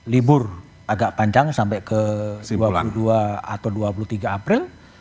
libur agak panjang sampai ke dua puluh dua atau dua puluh tiga april